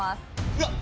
うわっ！